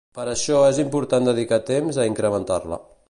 Per això és important dedicar temps a incrementar-la.